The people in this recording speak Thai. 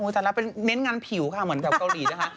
แต่ละเป็นเน้นงานผิวค่ะเหมือนกับเกาหลีนะคะ